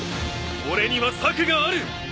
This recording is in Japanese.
俺には策がある！